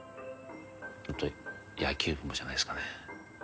野球部もじゃないっすかね